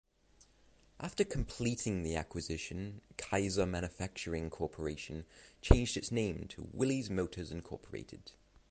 After completing the acquisition, Kaiser Manufacturing Corporation changed its name to Willys Motors, Incorporated.